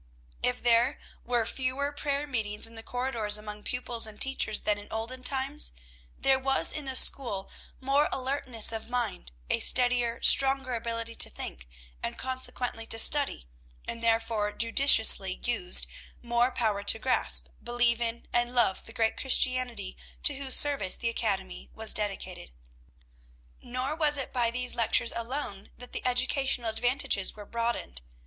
If there were fewer prayer meetings in the corridors among pupils and teachers than in olden times, there was in the school more alertness of mind, a steadier, stronger ability to think, and, consequently, to study, and, therefore, judiciously used, more power to grasp, believe in, and love the great Christianity to whose service the academy was dedicated. Nor was it by these lectures alone that the educational advantages were broadened.